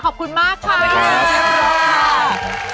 ขอบคุณมากค่ะขอบคุณค่ะเชฟร็อกค่ะ